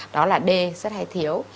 đó là d rất hay thiếu